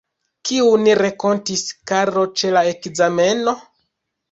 Kiun renkontis Karlo ĉe la ekzameno?